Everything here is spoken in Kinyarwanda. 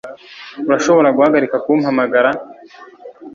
urashobora guhagarika kumpamagara